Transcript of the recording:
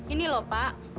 ini lho pak